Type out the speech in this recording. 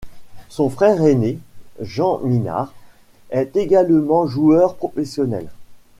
Son frère ainé Jan Minář est également joueur professionnel.